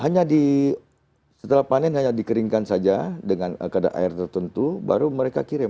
hanya setelah panen hanya dikeringkan saja dengan kadar air tertentu baru mereka kirim